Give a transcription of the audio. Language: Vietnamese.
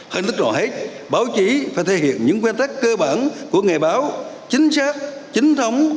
hình thức rõ hết báo chí phải thể hiện những nguyên tắc cơ bản của ngày báo chính xác chính thống